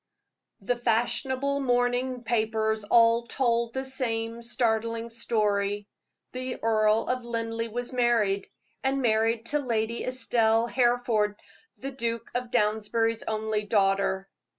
The fashionable morning papers all told the same startling story the Earl of Linleigh was married, and married to Lady Estelle Hereford, the Duke of Downsbury's only daughter.